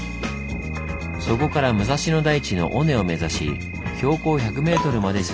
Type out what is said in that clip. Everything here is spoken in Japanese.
そこから武蔵野台地の尾根を目指し標高１００ｍまで進みます。